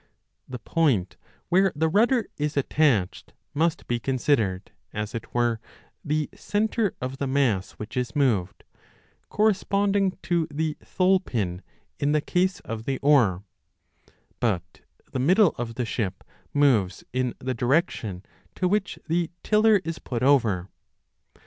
The point where the rudder is attached must be considered, as it were, the centre of the mass which is moved, correspond ing to the thole pin in the case of the oar ; but the middle of the ship moves in the direction to which the tiller is 35 put over.